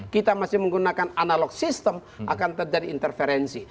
kita masih menggunakan analog system akan terjadi interferensi